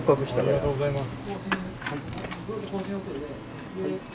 ありがとうございます。